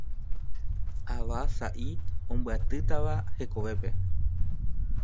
Ava sa'i ombyatýtava hekovépe.